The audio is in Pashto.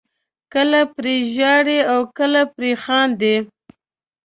کله پرې ژاړئ او کله پرې خاندئ.